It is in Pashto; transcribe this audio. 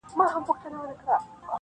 راسه ماښامیاره نن یو څه شراب زاړه لرم,